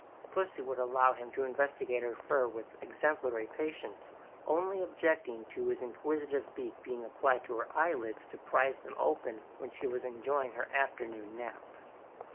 Pussy would allow him to investigate her fur with exemplary patience, only objecting to his inquisitive beak being applied to her eyelids to prize them open when she was enjoying her afternoon nap.